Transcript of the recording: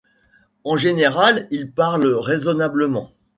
En général, il parle raisonnablement.